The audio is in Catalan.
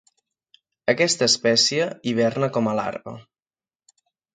Aquesta espècie hiverna com a larva.